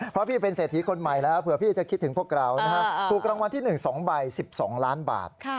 เพราะพี่เป็นเศรษฐีคนใหม่แล้วเผื่อพี่จะคิดถึงพวกเราถูกรางวัลที่๑๒ใบ๑๒ล้านบาท